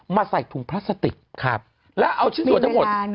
ใส่ถุงพลาสติกแล้วเอาชิ้นส่วนทั้งหมด